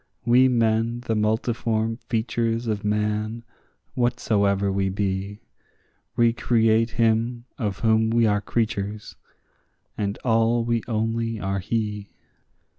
We men, the multiform features of man, whatsoever we be, Recreate him of whom we are creatures, and all we only are he.